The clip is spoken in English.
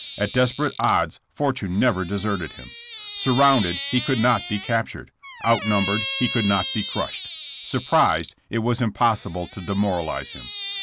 At desperate odds fortune never de serted him. Surrounded, he could not be captured. Outnumbered, he could not be crushed. Surprised, it was impossible to demoralize him.